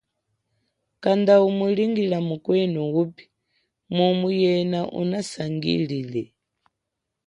Kanda umulingila mukwenu upi mumu yena unasangilile.